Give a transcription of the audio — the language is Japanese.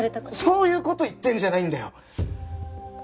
そういう事言ってるんじゃないんだよ！